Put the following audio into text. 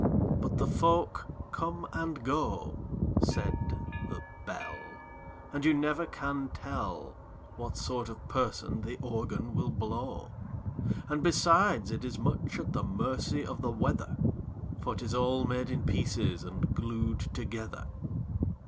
But the folk come and go, Said the Bell, And you never can tell What sort of person the Organ will blow! And, besides, it is much at the mercy of the weather For 'tis all made in pieces and glued together!